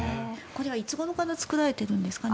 これはいつごろから日本だと作られているんですか？